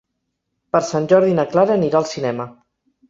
Per Sant Jordi na Clara anirà al cinema.